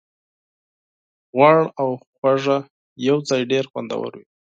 غوړ او خوږه یوځای ډېر خوندور وي.